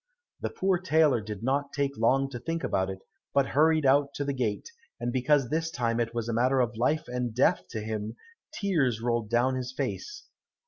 The poor tailor did not take long to think about it, but hurried out to the gate, and because this time it was a matter of life and death to him, tears rolled down his face.